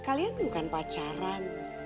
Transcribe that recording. kalian bukan pacaran